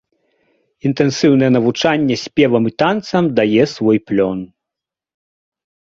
Інтэнсіўнае навучанне спевам і танцам дае свой плён.